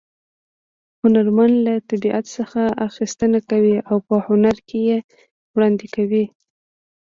هنرمن له طبیعت څخه اخیستنه کوي او په هنر کې یې وړاندې کوي